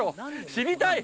知りたい！